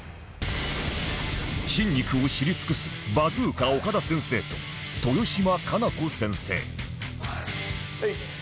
筋肉を知り尽くすバズーカ岡田先生と豊島香奈子先生はい９。